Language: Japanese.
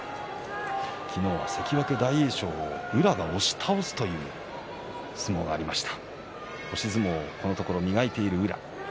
昨日は関脇大栄翔を宇良が押し倒すという相撲がありました。